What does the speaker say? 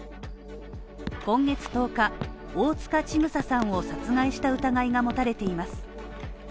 今月１０日、大塚千種さんを殺害した疑いが持たれています。